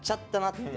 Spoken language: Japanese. って。